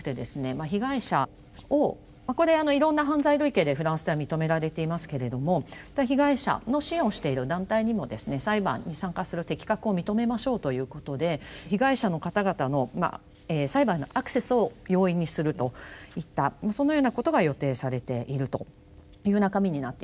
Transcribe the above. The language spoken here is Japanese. まあ被害者をこれいろいろな犯罪類型でフランスでは認められていますけれども被害者の支援をしている団体にもですね裁判に参加する適格を認めましょうということで被害者の方々の裁判のアクセスを容易にするといったそのようなことが予定されているという中身になっています。